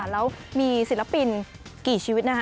แล้วมีศิลปินกี่ชีวิตนะคะ